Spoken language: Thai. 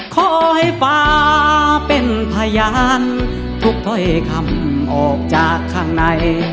ขอให้ฟ้าเป็นพยานทุกถ้อยคำออกจากข้างใน